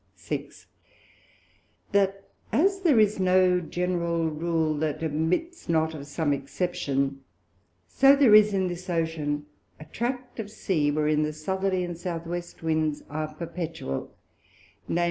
6. That as there is no general Rule that admits not of some Exception, so there is in this Ocean a Tract of Sea wherein the Southerly and South West Winds are perpetual, _viz.